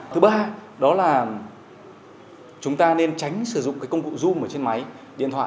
thứ ba đó là chúng ta nên tránh sử dụng cái công cụ zoom ở trên máy điện thoại